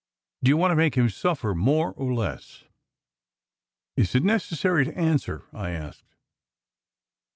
Do you want to make him suffer more or less?" "Is it necessary to answer?" I asked.